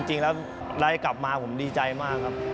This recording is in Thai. จริงแล้วได้กลับมาผมดีใจมากครับ